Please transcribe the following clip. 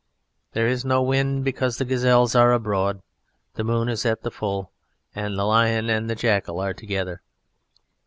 "There is no wind because the gazelles are abroad, the moon is at the full, and the lion and the jackal are together."